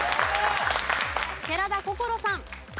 寺田心さん。